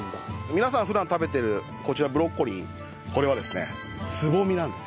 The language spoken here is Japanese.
皆さん普段食べてるこちらブロッコリーこれはですねつぼみなんですよ。